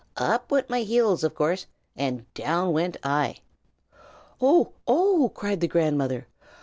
Up went my heels, of course, and down went I." "Oh, oh!" cried the grandmother.